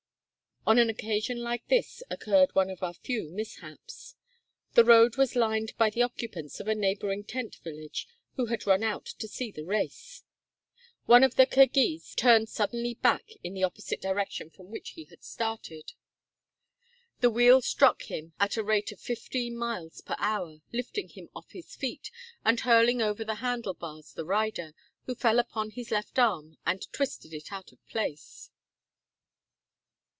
On an occasion like this occurred one of our few mishaps. The road was lined by the occupants of a neighboring tent village, who had run out to see the race. One of the Kirghiz turned suddenly back in the opposite direction from which he had started. The wheel struck him at a rate of fifteen miles per hour, lifting him off his feet, and hurling over the handle bars the rider, who fell upon his left arm, and twisted it out of place.